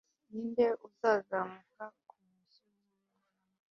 ni nde uzazamuka ku musozi w'uhoraho